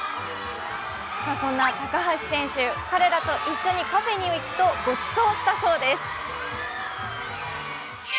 そんな高橋選手、彼らと一緒にカフェに行くと、ごちそうしたそうです。